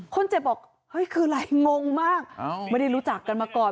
คนเจ็บบอกเฮ้ยคืออะไรงงมากไม่ได้รู้จักกันมาก่อน